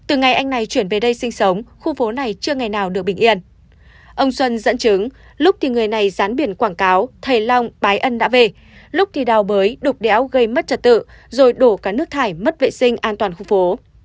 ông xuân dẫn chứng lúc thì người này rán biển quảng cáo thầy long bái ân đã về lúc thì đào bới đục đéo gây mất trật tự rồi đổ cả nước thải mất vệ sinh an toàn khu phố